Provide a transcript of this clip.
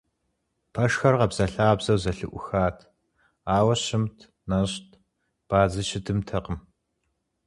Пэшхэр къабзэлъабзэу зэлъыӀухат, ауэ щымт, нэщӀт, бадзи щыдымтэкъым.